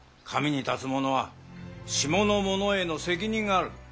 上に立つものは下のものへの責任がある。